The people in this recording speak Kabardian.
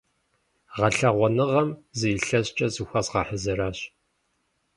Гъэлъэгъуэныгъэм зы илъэскӀэ зыхуэзгъэхьэзыращ.